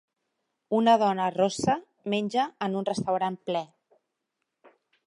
Una dona rossa menja en un restaurant ple